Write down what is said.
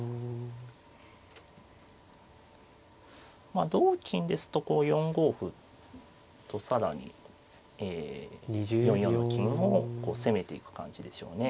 まあ同金ですとこう４五歩と更に４四の金を攻めていく感じでしょうね。